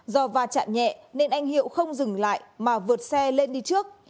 do va chạm nhẹ nên anh hiệu không dừng lại mà vượt xe lên đi trước